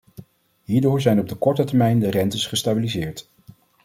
Hierdoor zijn op de korte termijn de rentes gestabiliseerd.